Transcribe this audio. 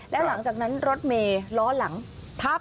แล้วหลังจากนั้นรถเมย์ล้อหลังทับ